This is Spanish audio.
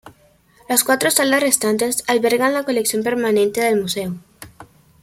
Las cuatro salas restantes albergan la colección permanente del museo.